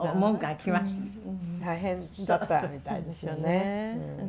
大変だったみたいですよね。